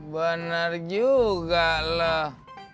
benar juga loh